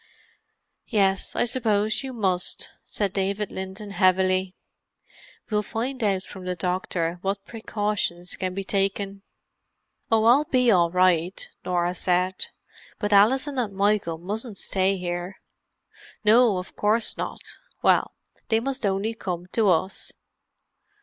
"Yes, I suppose you must," said David Linton heavily. "We'll find out from the doctor what precautions can be taken." "Oh, I'll be all right," Norah said. "But Alison and Michael mustn't stay here." "No, of course not. Well, they must only come to us."